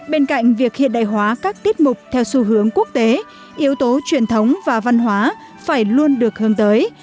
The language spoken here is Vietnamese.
bên cạnh việc hiện đại hóa các tiết mục theo xu hướng quốc tế yếu tố truyền thống và văn hóa phải luôn được hướng tới